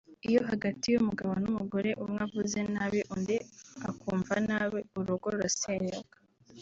Iyo hagati y’umugabo n’ umugore umwe avuze nabi undi akumva nabi urugo rurasenyuka